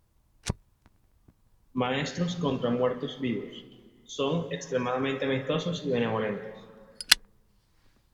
Maestros contra muertos vivos, son extremadamente amistosos y benevolentes.